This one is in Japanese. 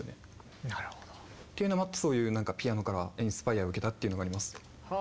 なるほど。っていうのもあってそういうなんかピアノからインスパイアを受けたっていうのがあります。